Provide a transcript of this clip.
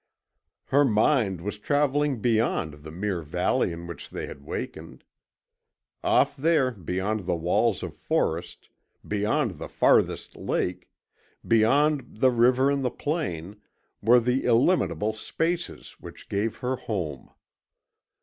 Her mind was travelling beyond the mere valley in which they had wakened. Off there beyond the walls of forest, beyond the farthest lake, beyond the river and the plain, were the illimitable spaces which gave her home.